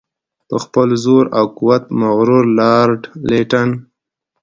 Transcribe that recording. په خپل زور او قوت مغرور لارډ لیټن.